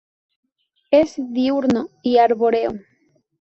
Es diurno y arbóreo.